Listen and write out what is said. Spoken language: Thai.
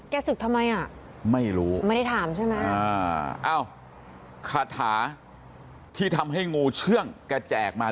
ศึกทำไมอ่ะไม่รู้ไม่ได้ถามใช่ไหมอ่าอ้าวคาถาที่ทำให้งูเชื่องแกแจกมา